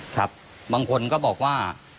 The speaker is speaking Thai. ครับบางคนก็บอกว่า